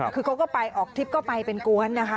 คือเขาก็ไปออกทริปก็ไปเป็นกวนนะคะ